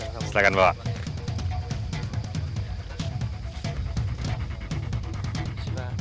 makasih ya pak